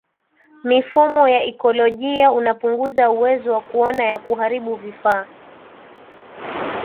mifumo ya ikolojia unapunguza uwezo wa kuona na kuharibu vifaa